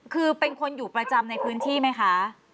คือเป็นคนอยู่ประจำในพื้นที่ไหมคะ